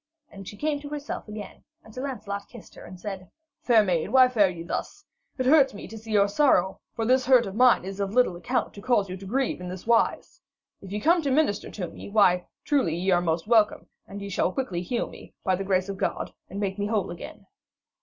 And she came to herself again, and Sir Lancelot kissed her, and said: 'Fair maid, why fare ye thus? It hurts me to see your sorrow, for this hurt of mine is of little account to cause you to grieve in this wise. If ye come to minister to me, why, ye are truly welcome, and ye shall quickly heal me, by the grace of God, and make me whole again.'